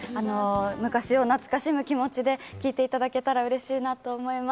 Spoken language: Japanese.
昔を懐かしむ気持ちで聴いていただけたら嬉しいなと思います。